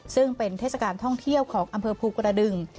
ซึ่งเป็นเทศกาลท่องเที่ยวของอำเภอภูกระดึง